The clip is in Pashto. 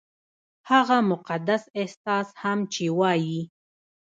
هغه مقدس احساس هم چې وايي-